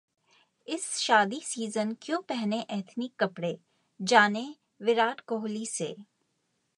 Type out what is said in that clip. इस शादी सीजन क्यों पहने एथनिक कपड़े जानें, विराट कोहली से...